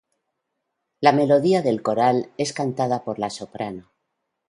La melodía del coral es cantada por la soprano.